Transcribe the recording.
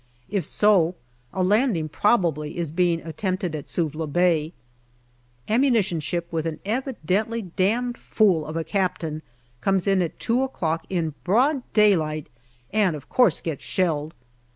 If so, a landing probably is being attempted at Suvla Bay. Ammunition ship with an evidently damned fool of a captain comes in at two o'clock in broad daylight, and of course gets shelled.